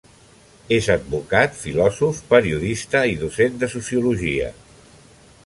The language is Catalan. És advocat, filòsof, periodista i docent de sociologia.